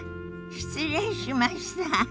失礼しました。